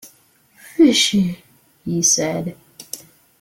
"Fishy," he said.